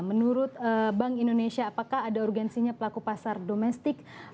menurut bank indonesia apakah ada urgensinya pelaku pasar domestik